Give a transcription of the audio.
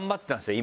今。